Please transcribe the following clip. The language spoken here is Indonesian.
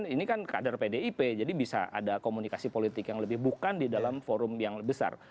ini kan kader pdip jadi bisa ada komunikasi politik yang lebih bukan di dalam forum yang besar